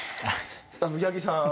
八木さん。